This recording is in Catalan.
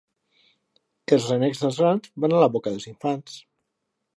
Els renecs dels grans van a la boca dels infants.